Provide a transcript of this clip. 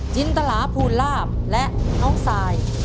จินตลาภูลาภและน้องซาย